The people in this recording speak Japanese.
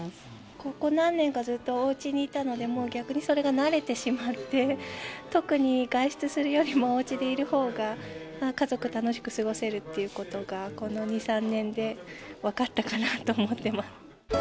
ここ何年か、ずっとおうちにいたので、もう逆にそれが慣れてしまって、特に外出するよりもおうちでいるほうが、家族楽しく過ごせるっていうことが、この２、３年で分かったかなと思ってます。